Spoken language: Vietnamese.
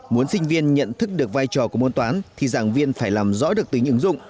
muốn sinh viên nhận thức được vai trò của môn toán thì giảng viên phải làm rõ được tính ứng dụng